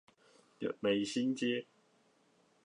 美興街